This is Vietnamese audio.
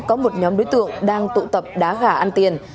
có một nhóm đối tượng đang tụ tập đá gà ăn tiền